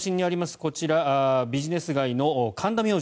こちらビジネス街の神田明神。